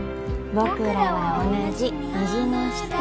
「ぼくらは同じ虹の下」